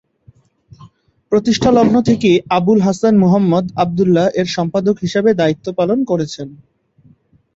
প্রতিষ্ঠালগ্ন থেকেই আবুল হাসান মুহাম্মদ আবদুল্লাহ এর সম্পাদক হিসেবে দায়িত্ব পালন করছেন।